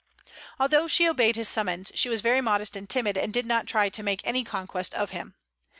Although she obeyed his summons, she was very modest and timid, and did not try to make any conquest of him.